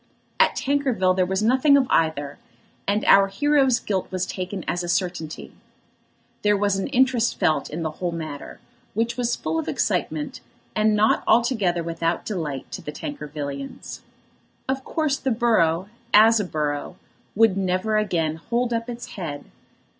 At Tankerville there was nothing of either, and our hero's guilt was taken as a certainty. There was an interest felt in the whole matter which was full of excitement, and not altogether without delight to the Tankervillians. Of course the borough, as a borough, would never again hold up its head.